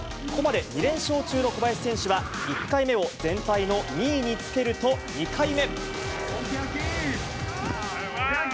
ここまで２連勝中の小林選手は、１回目を全体の２位につけると、２回目。